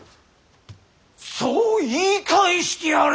そう言い返してやれ。